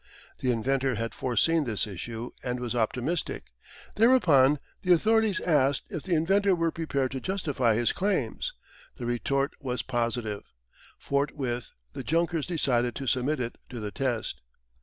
The inventor had foreseen this issue and was optimistic. Thereupon the authorities asked if the inventor were prepared to justify his claims. The retort was positive. Forthwith the Junkers decided to submit it to the test.